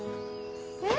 えっ？